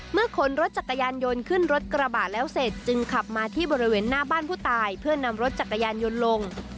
ขนรถจักรยานยนต์ขึ้นรถกระบะแล้วเสร็จจึงขับมาที่บริเวณหน้าบ้านผู้ตายเพื่อนำรถจักรยานยนต์ลง